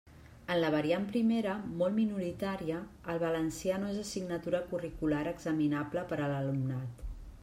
En la variant primera, molt minoritària, el valencià no és assignatura curricular examinable per a l'alumnat.